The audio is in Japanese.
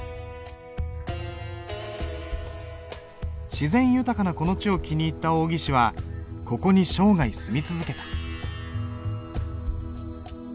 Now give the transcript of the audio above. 自然豊かなこの地を気に入った王羲之はここに生涯住み続けた。